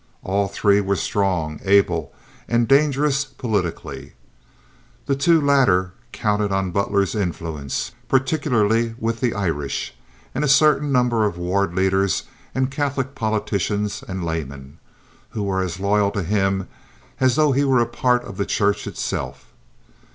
All three were strong, able, and dangerous politically. The two latter counted on Butler's influence, particularly with the Irish, and a certain number of ward leaders and Catholic politicians and laymen, who were as loyal to him as though he were a part of the church itself.